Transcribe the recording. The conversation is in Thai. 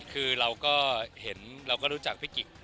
คือเราก็เห็นเราก็รู้จักพี่กิ๊ก